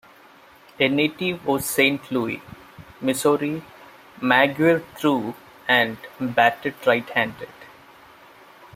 A native of Saint Louis, Missouri, Maguire threw and batted right-handed.